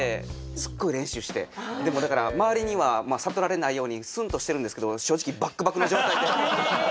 でもだから周りには悟られないようにすんとしてるんですけど正直ばっくばくの状態で。